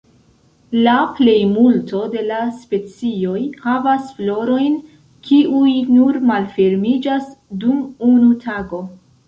La plejmulto de la specioj havas florojn kiuj nur malfermiĝas dum unu tago.